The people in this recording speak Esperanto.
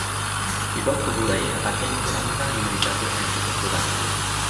Tibor Kobulej apartenis al la hungara minoritato en Ĉeĥoslovakio.